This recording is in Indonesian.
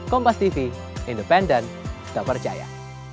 kompastv independen tak percaya